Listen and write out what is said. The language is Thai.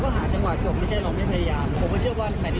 ก็ช่วยว่าทุกคนจะทำให้เจ็บที่ครับ